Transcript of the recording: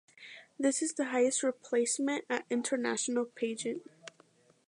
This is the highest replacement at international pageant.